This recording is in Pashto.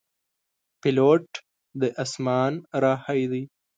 پیلوټ د اسمان راهی دی.